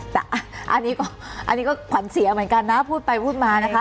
แต่อันนี้ก็อันนี้ก็ขวัญเสียเหมือนกันนะพูดไปพูดมานะคะ